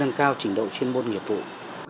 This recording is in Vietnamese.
để tạo ra những điều kiện để tạo ra những điều kiện